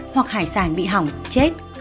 hoặc hải sản bị hỏng chết